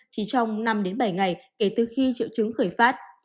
chỉ trong năm đến bảy ngày kể từ khi triệu chứng khởi phát